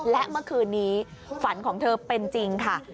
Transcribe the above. และเมื่อคืนนี้ฝันของเธอเป็นจริงค่ะ